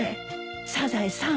サザエさん